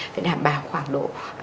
phải đảm bảo khoảng độ